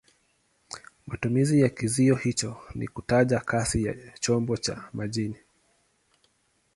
Matumizi ya kizio hicho ni kutaja kasi ya chombo cha majini.